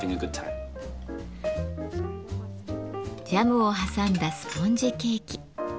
ジャムを挟んだスポンジケーキ。